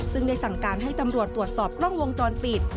ซึ่งได้สั่งการให้ตำรวจตรวจสอบกล้องวงจรปิด